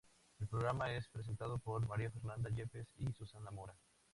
El programa es presentado por María Fernanda Yepes y Susana Mora.